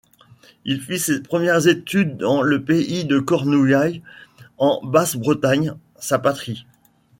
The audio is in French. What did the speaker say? Il fit ses premières études dans le pays de Cornouaille, en basse-Bretagne, sa patrie.